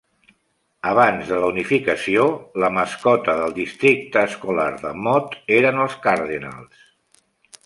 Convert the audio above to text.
Abans de la unificació, la mascota del districte escolar de Mott eren els Cardenals.